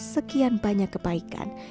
sekian banyak kebaikan